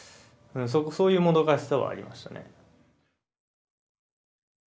そういうもどかしさはありましたね。